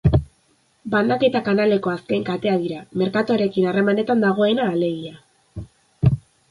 Banaketa-kanaleko azken katea dira, merkatuarekin harremanetan dagoena, alegia.